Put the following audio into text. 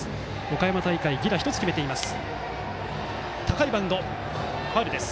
岡山大会、犠打１つ決めています。